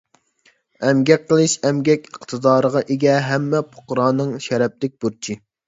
ئەمگەك قىلىش — ئەمگەك ئىقتىدارىغا ئىگە ھەممە پۇقرانىڭ شەرەپلىك بۇرچى.